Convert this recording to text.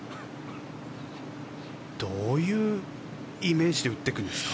どういうイメージで打っていくんですか？